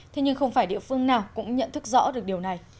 thế nhưng không phải địa phương nào cũng nhận thức rõ được điều này